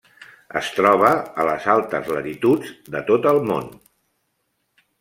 Es troba a les altes latituds de tot el món.